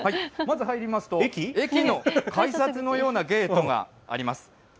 まず入りますと、駅の改札のようなゲートがあります。